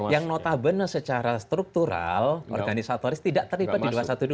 yang notabene secara struktural organisatoris tidak terlibat di dua ratus dua belas